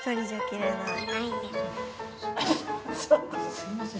すいません